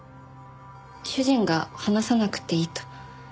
主人が話さなくていいと。